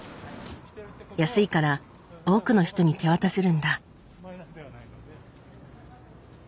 安いから多くの人に手渡せるんだ。